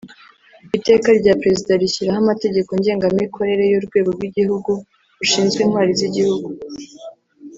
Iteka rya Perezida rishyiraho amategeko ngengamikorere y’Urwego rw’Igihugu rushinzwe Intwari z’Igihugu